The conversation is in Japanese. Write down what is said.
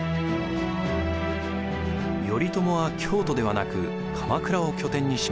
頼朝は京都ではなく鎌倉を拠点にしました。